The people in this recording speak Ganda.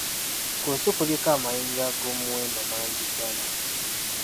Ku nsi kuliko amayinja ag'omuwendo mangi ddala